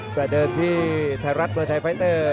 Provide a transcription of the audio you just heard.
แต่เดินที่ไทยรัฐไทยไฟต์เตอร์